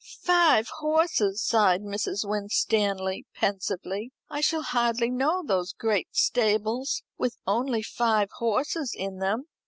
"Five horses," sighed Mrs. Winstanley pensively; "I shall hardly know those great stables with only five horses in them.